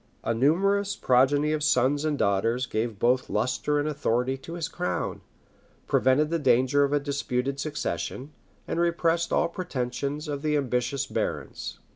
A numerous progeny of sons and daughters gave both lustre and authority to his crown, prevented the danger of a disputed succession, and repressed all pretensions of the ambitious barons.